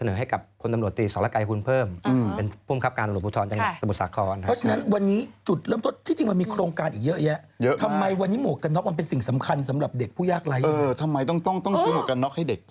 นำโครงการนี้ไปเสนอให้กับท่าน